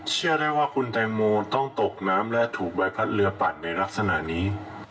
เชื่อได้ว่าคุณแตงโมต้องตกน้ำและถูกใบพัดเรือปัดในลักษณะนี้